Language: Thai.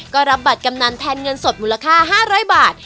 ก็รับบัตรกำนันแทนเงินสดมูลค่า๕๐๐บาท